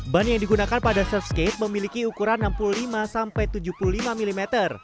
ban yang digunakan pada surfskate memiliki ukuran enam puluh lima sampai tujuh puluh lima mm